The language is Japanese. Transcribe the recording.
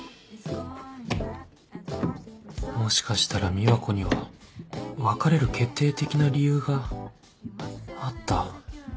もしかしたら美和子には別れる決定的な理由があった？